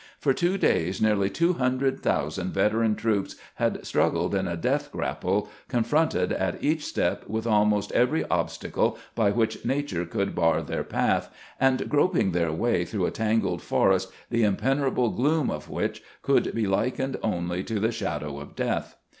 For two days nearly 200,000 veteran troops had struggled in a death grapple, confronted at each step with almost every obstacle by which nature could bar their path, and groping their way through a tangled forest the impene trable gloom of which could be likened only to the shadow of death.